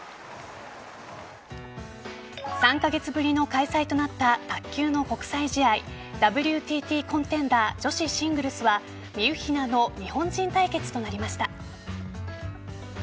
３カ月ぶりの開催となった卓球の国際試合ＷＴＴコンテンダー女子シングルスはみうひなの日本人対決となりました。